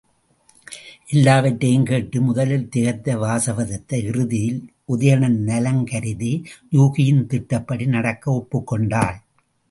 எல்லாவற்றையும் கேட்டு முதலில் திகைத்த வாசவதத்தை, இறுதியில் உதயணன் நலங்கருதி யூகியின் திட்டப்படி நடக்க ஒப்புக் கொண்டாள்.